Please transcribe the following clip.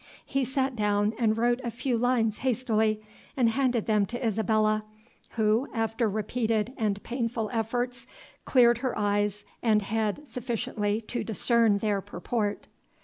He sate down, wrote a few lines hastily, and handed them to Isabella, who, after repeated and painful efforts, cleared her eyes and head sufficiently to discern their purport.